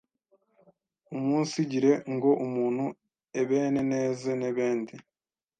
Umunsigire ngo umuntu ebene neze n’ebendi